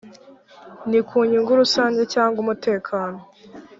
ni ku nyungu rusange cyangwa umutekano